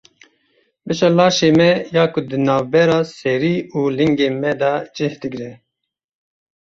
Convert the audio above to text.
Beşa laşê me ya ku di navbera serî û lingên me de cih digire.